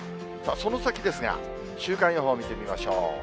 その先ですが、週間予報見てみましょう。